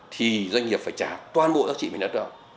thì doanh nghiệp phải trả toàn bộ giá trị về đất đó